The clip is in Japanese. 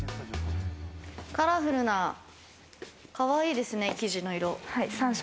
カラフルでかわいいですね、生地の色。